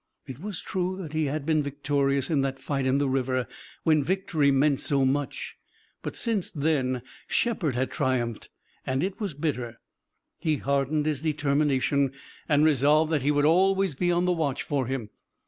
It was true that he had been victorious in that fight in the river, when victory meant so much, but since then Shepard had triumphed, and it was bitter. He hardened his determination, and resolved that he would always be on the watch for him.